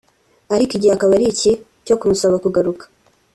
ariko igihe akaba ari iki cyo kumusaba kugaruka